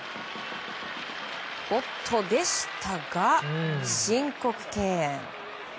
おっとでしたが申告敬遠。